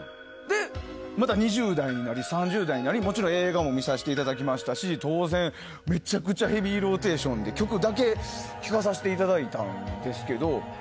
また２０代になり３０代になり映画も見せていただいて当然、めちゃくちゃヘビーローテーションで曲だけ聴かさせていただいたんですけど。